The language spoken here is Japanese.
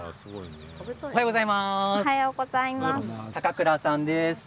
おはようございます。